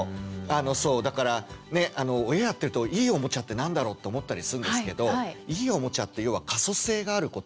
そうだから親をやってるといいおもちゃって何だろう？って思ったりするんですけどいいおもちゃって要は可塑性があることで。